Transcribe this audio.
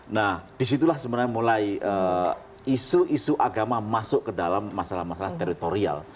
nah disitulah sebenarnya mulai isu isu agama masuk ke dalam masalah masalah teritorial